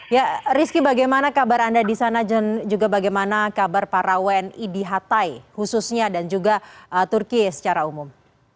ya rizky bagaimana kabar anda di sana dan juga bagaimana kabar para wni di hatay khususnya dan juga turki secara umum